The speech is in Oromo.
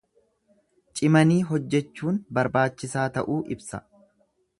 Cimanii hojjechuun barbaachisaa ta'uu ibsa.